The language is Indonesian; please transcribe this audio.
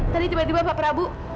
tadi tiba tiba pak prabu